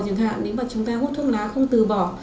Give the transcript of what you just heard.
chẳng hạn nếu mà chúng ta hút thuốc lá không từ bỏ